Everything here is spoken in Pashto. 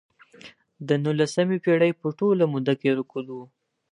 د نولسمې پېړۍ په ټوله موده کې رکود و.